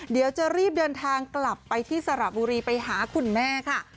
เดี๋ยวจะรีบเดินทางกลับไปที่สระบุรีไปหาคุณแม่ค่ะ